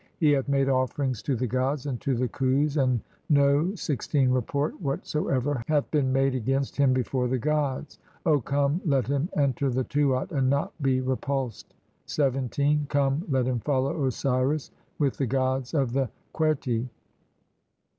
He hath made offerings to the "gods, and to the Khus, and no (16) report what soever hath been made against him before the gods. "O come, let him enter the Tuat and not be repuls CCII INTRODUCTION. "ed ; (17) come, let him follow Osiris with the gods "of the Qerti.